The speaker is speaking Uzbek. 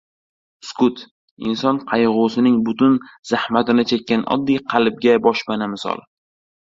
Sukut — inson qayg‘usining butun zahmatini chekkan oddiy qalbga boshpana misol.